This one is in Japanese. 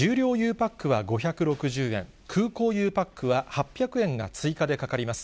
パックは５６０円、空港ゆうパックは８００円が追加でかかります。